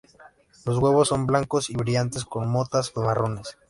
Los huevos son blancos y brillantes con motas marrones.